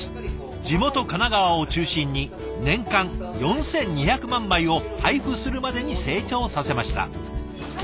地元神奈川を中心に年間４，２００万枚を配布するまでに成長させました。